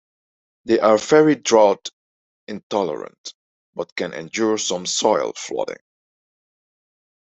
They are very drought intolerant, but can endure some soil flooding.